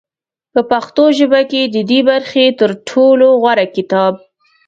په پښتو ژبه کې د دې برخې تر ټولو غوره کتاب